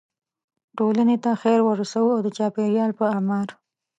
ټولنې ته خیر ورسوو او د چاپیریال په اعمار.